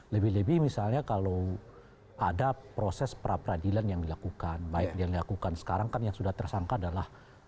lebih lebih misalnya kalau ada proses pra peradilan yang dilakukan baik yang dilakukan sekarang kan yang sudah tersangka adalah